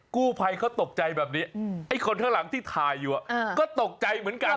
กู้ภัยเขาตกใจแบบนี้ไอ้คนข้างหลังที่ถ่ายอยู่ก็ตกใจเหมือนกัน